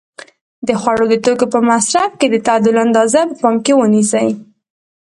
د خوړو د توکو په مصرف کې د تعادل اندازه په پام کې ونیسئ.